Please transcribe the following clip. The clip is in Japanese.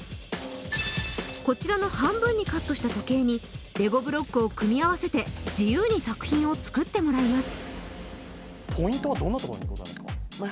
こちらの半分にカットした時計にレゴブロックを組み合わせて自由に作品を作ってもらいます